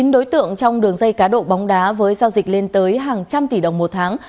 chín đối tượng trong đường dây cá độ bóng đá với giao dịch lên tới hàng trăm tỷ đồng một tháng